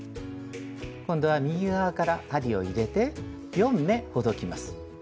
今度は右側から針を入れて４目ほどきます。